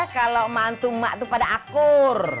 kalau mantu mak itu pada akur